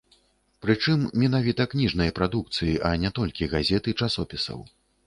Прычым менавіта кніжнай прадукцыі, а не толькі газет і часопісаў.